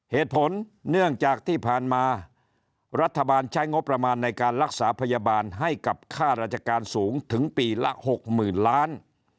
เหตุผลเนื่องจากที่ผ่านมารัฐบาลใช้งบประมาณในการรักษาพยาบาลให้กับค่าราชการสูงถึงปีละ๖๐๐๐ล้าน